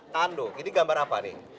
tandu ini gambar apa nih